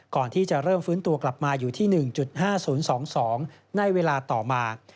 ก่อนที่จะเริ่มฟื้นตัวกลับมาอยู่ที่๑๕๐๒๒ในเวลาต่อมา